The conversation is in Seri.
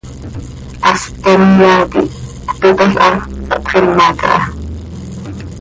Hast tom yaa quih cöpitalhaa, sahtxima caha.